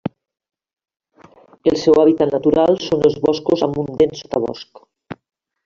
El seu hàbitat natural són els boscos amb un dens sotabosc.